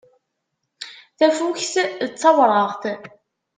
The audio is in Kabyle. Tafukt d tawraɣt.